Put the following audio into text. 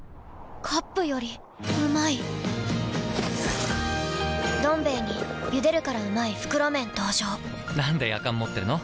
カップよりうまい「どん兵衛」に「ゆでるからうまい！袋麺」登場なんでやかん持ってるの？